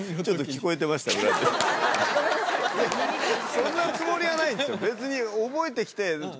そんなつもりはないんですよ。